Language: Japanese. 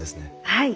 はい。